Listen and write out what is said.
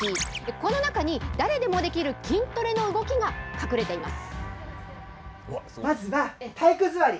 この中に誰でもできる筋トレの動きが隠れています。